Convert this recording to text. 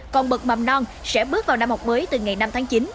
còn bậc mầm non sẽ bước vào năm học mới từ ngày năm tháng chín